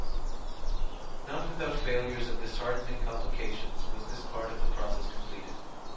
] Not without failures and disheartening complications was this part of the process completed.